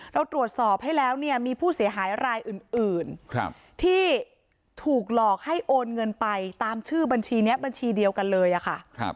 เราตรวจสอบให้แล้วเนี่ยมีผู้เสียหายรายอื่นที่ถูกหลอกให้โอนเงินไปตามชื่อบัญชีนี้บัญชีเดียวกันเลยอะค่ะ